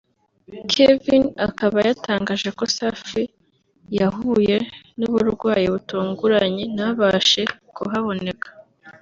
Kevin akaba yatangaje ko Safi yahuye n’uburwayi butunguranye ntabashe kuhaboneka